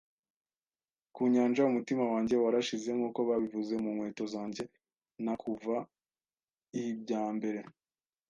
ku nyanja, umutima wanjye warashize, nkuko babivuze, mu nkweto zanjye; na Kuva i Bya mbere